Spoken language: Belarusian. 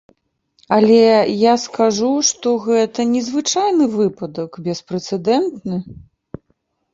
Але я скажу, што гэта незвычайны выпадак, беспрэцэдэнтны!